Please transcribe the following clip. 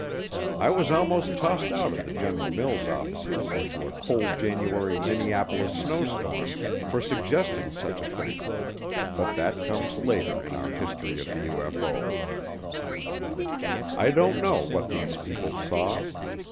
I was almost tossed out of the General Mills offices into a cold January Minneapolis snowstorm for suggesting such a thing but that comes later in our history of the UFO. I don't know what these people saw.